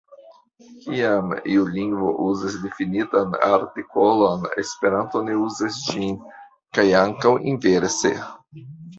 Kiam iu lingvo uzas difinitan artikolon, Esperanto ne uzas ĝin, kaj ankaŭ inverse.